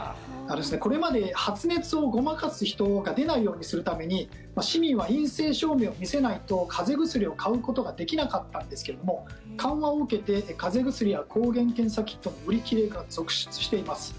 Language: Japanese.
これまで、発熱をごまかす人が出ないようにするために市民は陰性証明を見せないと風邪薬を買うことができなかったんですけれども緩和を受けて風邪薬や抗原検査キットの売り切れが続出しています。